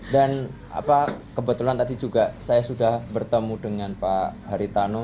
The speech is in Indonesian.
dan kebetulan tadi juga saya sudah bertemu dengan pak haritano